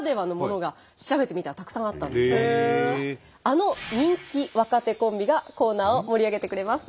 あの人気若手コンビがコーナーを盛り上げてくれます。